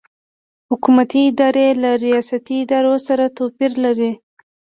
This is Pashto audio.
حکومتي ادارې له ریاستي ادارو سره توپیر لري.